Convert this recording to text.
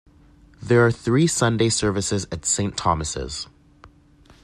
There are three Sunday services at St Thomas'.